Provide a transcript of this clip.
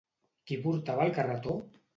Qui portava el carretó?